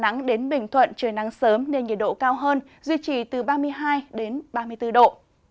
nắng đến bình thuận trời nắng sớm nên nhiệt độ cao hơn duy trì từ ba mươi hai ba mươi bốn độ